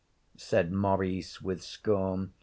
said Maurice, with scorn.